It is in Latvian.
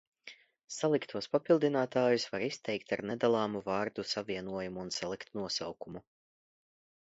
Saliktos papildinātājus var izteikt ar nedalāmu vārdu savienojumu un saliktu nosaukumu.